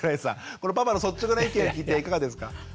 このパパの率直な意見を聞いていかがですか？